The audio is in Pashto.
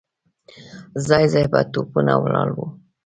ځای ځای به توپونه ولاړ وو.